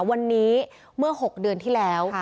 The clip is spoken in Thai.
วันนี้เมื่อ๖เดือนที่แล้ว